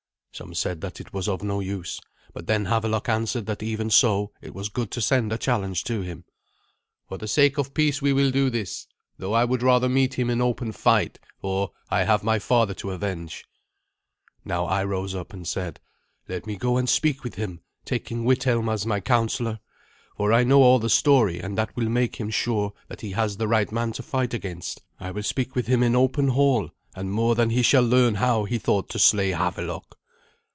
Some said that it was of no use, but then Havelok answered that even so it was good to send a challenge to him. "For the sake of peace we will do this, though I would rather meet him in open fight, for I have my father to avenge." Now I rose up and said, "Let me go and speak with him, taking Withelm as my counsellor. For I know all the story, and that will make him sure that he has the right man to fight against. I will speak with him in open hall, and more than he shall learn how he thought to slay Havelok."